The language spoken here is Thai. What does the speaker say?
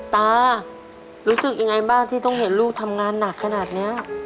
ตารู้สึกยังไงบ้างที่ต้องเห็นลูกทำงานหนักขนาดนี้